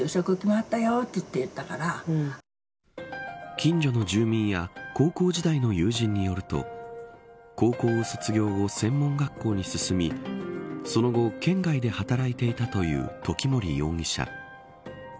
近所の住民や高校時代の友人によると高校を卒業後、専門学校に進みその後、県外で働いていたという時森容疑者。